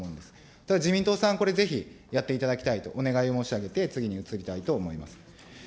ただ、自民党さん、これぜひ、やっていただきたいと、お願いを申し上げて次に移りたいと思います。